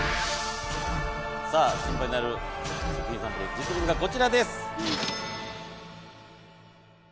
「さあ心配になる食品サンプル」「実物がこちらです」